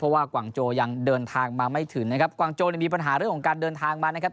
ว่ากวางโจยังเดินทางมาไม่ถึงนะครับกวางโจเนี่ยมีปัญหาเรื่องของการเดินทางมานะครับ